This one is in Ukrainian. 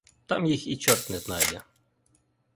Там їх і чорт не знайде.